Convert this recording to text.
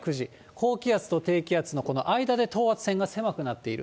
高気圧と低気圧の間で等圧線が狭くなっている。